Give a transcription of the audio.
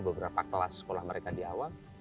beberapa kelas sekolah mereka di awal